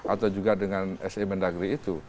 atau juga dengan si mendagri itu